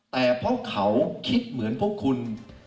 แต่เพราะเขาคิดเหมือนพวกคุณ